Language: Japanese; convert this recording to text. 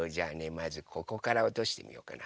まずここからおとしてみようかな。